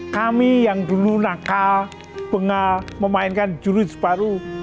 kami yang dulu nakal bengal memainkan jurus baru